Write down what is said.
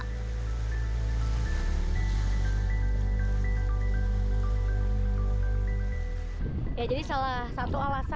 ya jadi salah satu alasan kenapa pantai pagang ini menjanjikan warna air yang tidak terlalu berwarna merata